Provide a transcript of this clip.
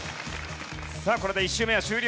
さあこれで１周目は終了。